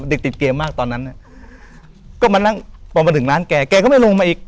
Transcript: ติดเกมมากตอนนั้นเนี่ยก็มานั่งพอมาถึงร้านแกแกก็ไม่ลงมาอีก